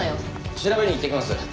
調べに行ってきます。